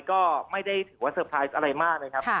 ก็ไม่ได้ถือว่าเซอร์ไพรส์อะไรมากนะครับ